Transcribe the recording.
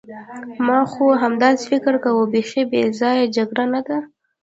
ما خو همداسې فکر کاوه، بیخي بې ځایه جګړه نه ده.